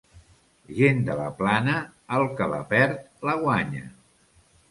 Gent de la plana, el que la perd, la guanya.